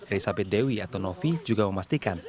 risabeth dewi atau novi juga memastikan